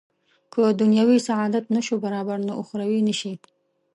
که دنیوي سعادت نه شو برابر نو اخروي نه شي.